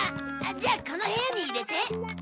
じゃあこの部屋に入れて。